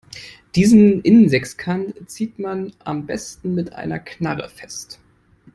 Diesen Innensechskant zieht man am besten mit einer Knarre fest.